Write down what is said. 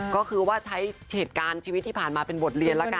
ก็คือว่าใช้เหตุการณ์ชีวิตที่ผ่านมาเป็นบทเรียนแล้วกัน